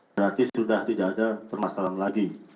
berarti sudah tidak ada permasalahan lagi